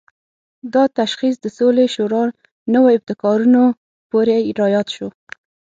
دا تشخیص د سولې شورا نوو ابتکارونو پورې راياد شو.